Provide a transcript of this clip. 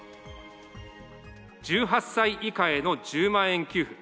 １８歳以下への１０万円給付。